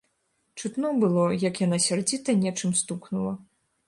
Чутно было, як яна сярдзіта нечым стукнула.